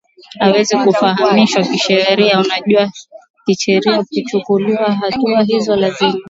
aweze kufahamishwa kisheria unajua kisheria ukichuliwa hatua hizo lazma